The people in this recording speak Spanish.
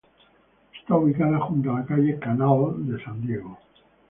Está ubicada junto a la calle Canal de San Diego.